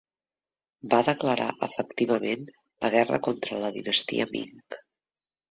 Va declarar efectivament la guerra contra la dinastia Ming.